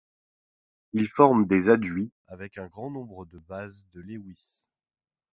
Il forme des adduits avec un grand nombre de bases de Lewis.